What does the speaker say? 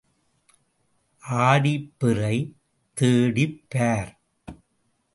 ஆடிப் பிறை தேடிப் பார்.